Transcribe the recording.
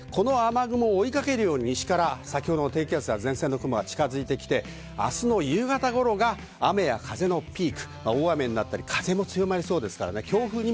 追いかけるように西から低気圧や前線の雲が近づいてきて、明日の夕方頃、雨や風のピーク、大雨になったり、風が強まりそうです。